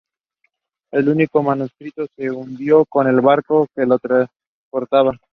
El único manuscrito se hundió con el barco que lo transportaba.